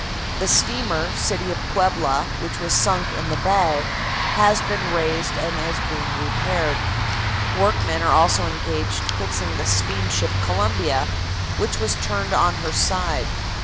The steamer City of Puebla, which was sunk in the bay, has been raised and is being repaired. Workmen are also engaged fixing the steamship Columbia, which was turned on her side.